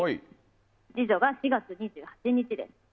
次女が４月２８日です。